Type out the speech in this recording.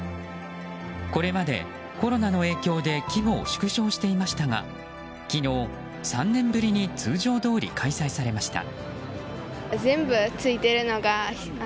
これまでコロナの影響で規模を縮小していましたが昨日、３年ぶりに通常どおり開催されました。